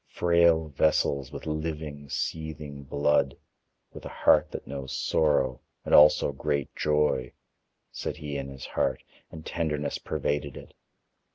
"Frail vessels with living seething blood with a heart that knows sorrow and also great joy," said he in his heart, and tenderness pervaded it.